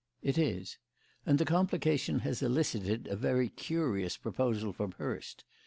"It is; and the complication has elicited a very curious proposal from Hurst.